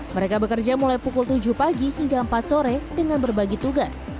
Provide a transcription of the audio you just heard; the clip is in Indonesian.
mereka bekerja mulai pukul tujuh pagi hingga empat sore dengan berbagi tugas